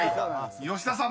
［吉田さん